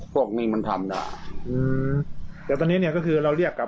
พวกนี้มันทำแน่